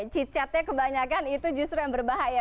cicatnya kebanyakan itu justru yang berbahaya